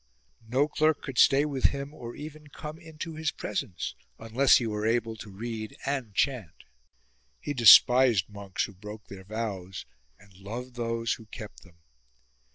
No clerk could stay with him, or even come into his presence, unless he were able to read and chant. He despised monks who broke their vows, and loved those who kept them.